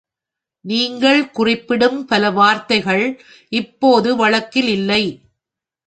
நீங்கள் குறிப்பிடும் பல வார்த்தைகள் இப்போது வழக்கில் இல்லை